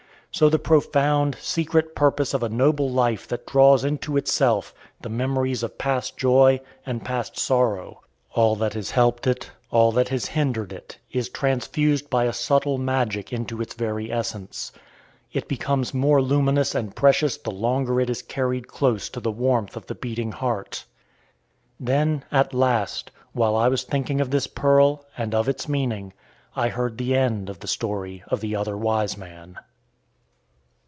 So the profound, secret purpose of a noble life draws into itself the memories of past joy and past sorrow. All that has helped it, all that has hindered it, is transfused by a subtle magic into its very essence. It becomes more luminous and precious the longer it is carried close to the warmth of the beating heart. Then, at last, while I was thinking of this pearl, and of its meaning, I heard the end of the story of the other wise man.